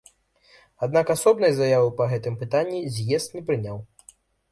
Аднак асобнай заявы па гэтым пытанні з'езд не прыняў.